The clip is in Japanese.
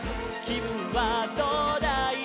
「きぶんはどうだい？」